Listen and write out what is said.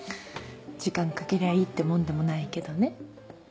時間かけりゃいいってもんでもないけどね。